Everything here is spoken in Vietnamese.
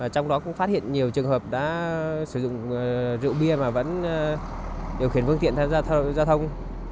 trong đó cũng đã phát hiện nhiều trường hợp sử dụng rượu bia mà vẫn điều khiển vương tiện giao thông